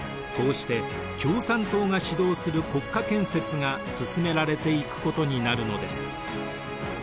こうして共産党が指導する国家建設が進められていくことになるのです。